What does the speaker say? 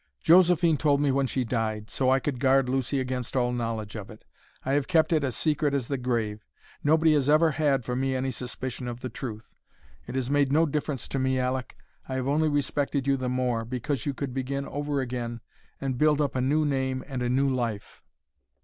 "Josephine told me when she died, so I could guard Lucy against all knowledge of it. I have kept it as secret as the grave. Nobody has ever had from me any suspicion of the truth. It has made no difference to me, Aleck! I have only respected you the more, because you could begin over again and build up a new name and a new life."